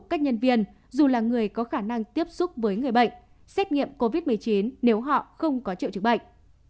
các nhân viên dù là người có khả năng tiếp xúc với người bệnh xét nghiệm covid một mươi chín nếu họ không có triệu chứng bệnh